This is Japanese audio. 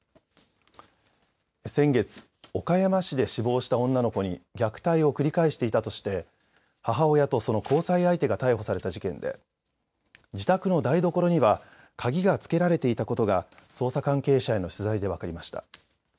先月、岡山市で死亡した女の子に虐待を繰り返していたとして母親とその交際相手が逮捕された事件で自宅の台所には鍵がつけられていたことが捜査関係者への取材で分かりました。